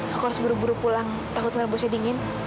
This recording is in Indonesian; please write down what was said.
aku harus buru buru pulang takut merebusnya dingin